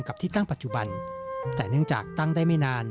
ที่ตั้งปัจจุบันแต่เนื่องจากตั้งได้ไม่นาน